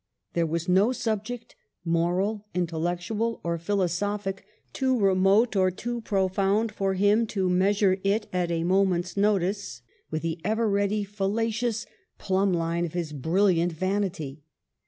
There was no subject, moral, intellectual, or philosophic, too remote or too profound for him to measure it at a moment's notice, with the ever ready, fallacious plumb line of his brilliant vanity.